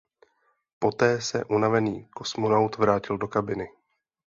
Poté se unavený kosmonaut vrátil do kabiny.